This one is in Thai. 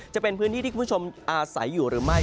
จะเป็นพื้นที่ที่คุณผู้ชมอาศัยอยู่หรือไม่